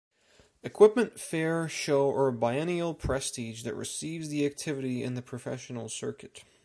Equipment, fair, show or biennial prestige that receives the activity in the professional circuit.